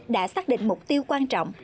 đã xác định mục tiêu quan trọng